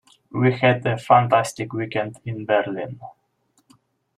We had a fantastic weekend in Berlin.